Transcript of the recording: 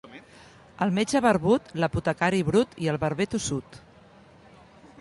El metge barbut, l'apotecari brut i el barber tossut.